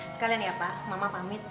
sekalian ya pak mama pamit